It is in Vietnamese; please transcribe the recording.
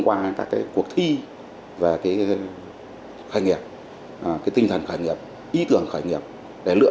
qua các cái cuộc thi về cái khởi nghiệp cái tinh thần khởi nghiệp ý tưởng khởi nghiệp để lựa